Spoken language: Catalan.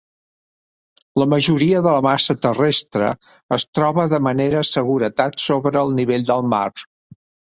La majoria de la massa terrestre es troba de manera seguretat sobre el nivell del mar.